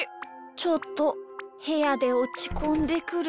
ちょっとへやでおちこんでくる。